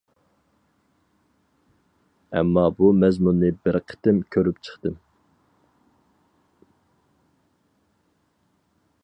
ئەمما بۇ مەزمۇننى بىر قېتىم كۆرۈپ چىقتىم.